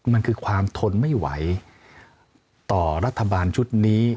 มันคือความทนไม่ไหวต่อรัฐบาลชุดนี้